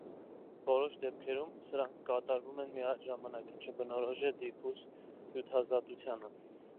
Որոշ դեպքերում սրանք կատարվում են միաժամանակ, ինչը բնորոշ է դիֆուզ հյութազատությանը։